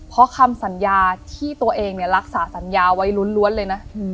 เพราะคำสัญญาที่ตัวเองเนี่ยรักษาสัญญาไว้ล้วนล้วนเลยน่ะอืม